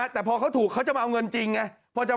แต่พอเขาถูกเขาจะมาเอาเงินจริงไง